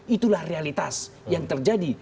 itulah realitas yang terjadi